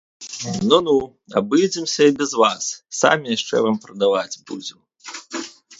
Ну-ну, абыдземся і без вас, самі яшчэ вам прадаваць будзем!